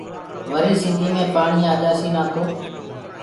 وري سنڌيٚ مي پاڻيٚ آجآسيٚ نآ تو